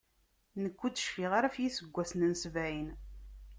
Nekk ur d-cfiɣ ara ɣef yiseggasen n sebɛin.